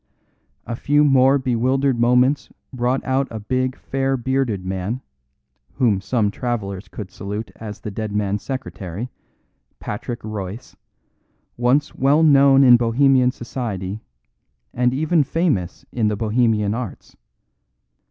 A few more bewildered moments brought out a big fair bearded man, whom some travellers could salute as the dead man's secretary, Patrick Royce, once well known in Bohemian society and even famous in the Bohemian arts.